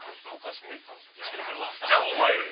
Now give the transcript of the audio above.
じゃあ覚えろよ！